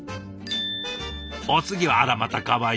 お次はあらまたかわいい。